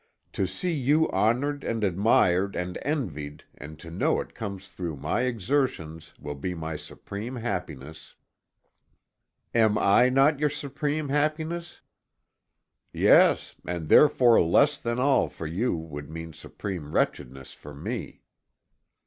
To see you honored and admired and envied, and to know it comes through my exertions will be my supreme happiness." "Am I not your supreme happiness?" "Yes, and therefore less than all for you would mean supreme wretchedness for me."